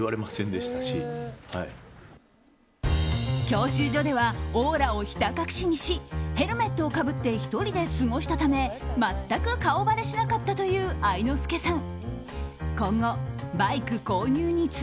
教習所ではオーラをひた隠しにしヘルメットをかぶって１人で過ごしたため全く顔ばれしなかったという愛之助さん。